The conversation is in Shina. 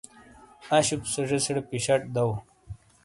انشُپ سے زیسیڑے پیشٹ دو